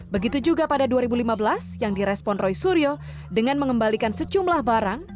begitu juga pada dua ribu lima belas yang direspon roy suryo dengan mengembalikan secumlah barang